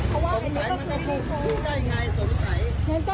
เพราะว่ามันก็คือโทโกน